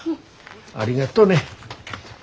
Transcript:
ありがとね。